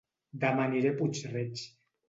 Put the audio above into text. Dema aniré a Puig-reig